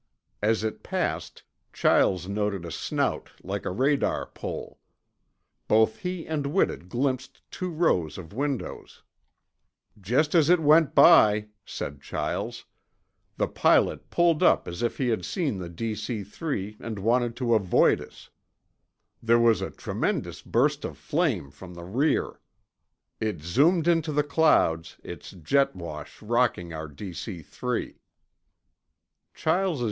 As it passed, Chiles noted a snout like a radar pole. Both he and Whitted glimpsed two rows of windows. "Just as it went by," said Chiles, "the pilot pulled up as if he had seen the DC three and wanted to avoid its. There was a tremendous burst of flame from the rear. It zoomed into the clouds, its jet wash rocking our DC three."